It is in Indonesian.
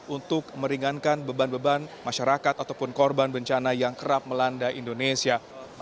untuk meringankan beban beban masyarakat ataupun korban bencana yang kerap melanda indonesia